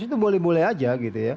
itu boleh boleh saja